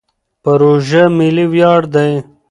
پروژه ملي ویاړ دی.